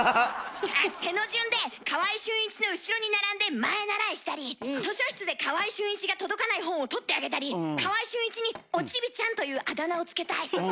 背の順で川合俊一の後ろに並んで前へならえしたり図書室で川合俊一が届かない本を取ってあげたり川合俊一に「おチビちゃん」というあだ名を付けたい。